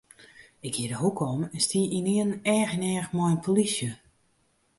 Ik gie de hoeke om en stie ynienen each yn each mei in polysje.